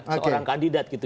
seorang kandidat gitu